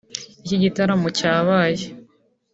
Iki gitaramo cyabaye